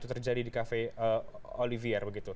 itu terjadi di cafe olivier begitu